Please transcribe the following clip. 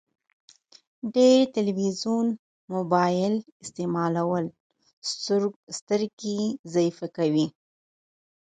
ډير تلويزون مبايل استعمالول سترګي ضعیفه کوی